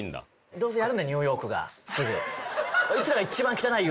どうせやるんだニューヨークがすぐ。